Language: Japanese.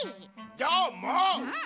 どーもっ！